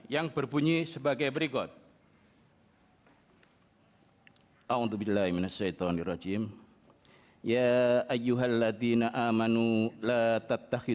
yang berbunyi sebagai berikut